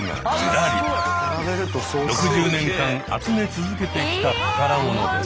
６０年間集め続けてきた宝物です。